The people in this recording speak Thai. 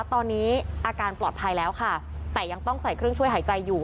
ตอนนี้อาการปลอดภัยแล้วค่ะแต่ยังต้องใส่เครื่องช่วยหายใจอยู่